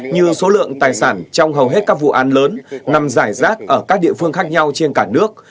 như số lượng tài sản trong hầu hết các vụ án lớn nằm giải rác ở các địa phương khác nhau trên cả nước